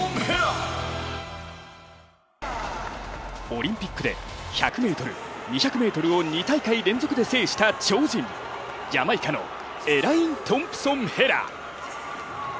オリンピックで１００ｍ、２００ｍを２大会連続で制した超人、ジャマイカのエライン・トンプソン・ヘラ。